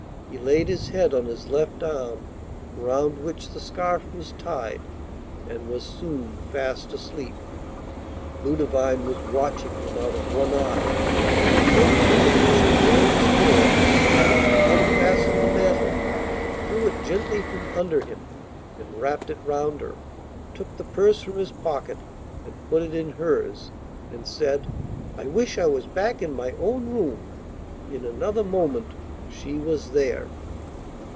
He laid his head on his left arm, round which the scarf was tied, and was soon fast asleep. Ludovine was watching him out of one eye, and no sooner did she hear him snore than she unfastened the mantle, drew it gently from under him and wrapped it round her, took the purse from his pocket, and put it in hers, and said: 'I wish I was back in my own room.' In another moment she was there.